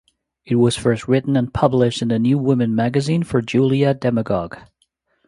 It was first written and published in "The New Woman" magazine for Julia Demagogue.